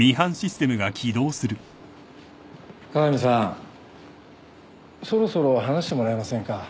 加賀美さんそろそろ話してもらえませんか？